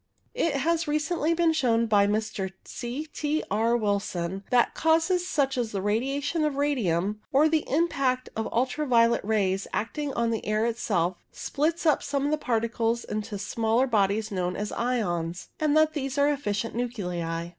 It has recently been shown by Mr. C. T. R. Wilson that causes such as the radiations of radium, or the impact of ultra violet rays, acting on the air itself, splits up some of its particles into the smaller bodies known as ions, and that these are efficient nuclei.